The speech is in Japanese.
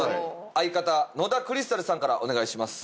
相方野田クリスタルさんからお願いします。